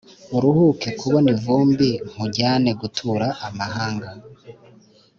Uruhuke kubona ivumbi nkujyane gutura amahanga.